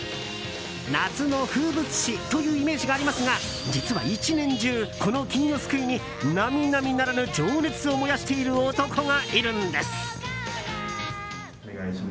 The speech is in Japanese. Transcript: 夏の風物詩というイメージがありますが実は１年中、この金魚すくいに並々ならぬ情熱を燃やしている男がいるんです。